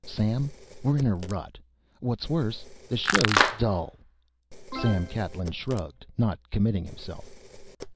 "Sam, we're in a rut. What's worse, the show's dull!" Sam Catlin shrugged, not committing himself.